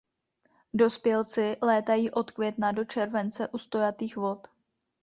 Dospělci létají od května do července u stojatých vod.